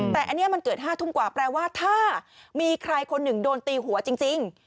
แต่อันนี้มันเกิด๕ทุ่มกว่าแปลว่าถ้ามีใครคนหนึ่งโดนตีหัวจริง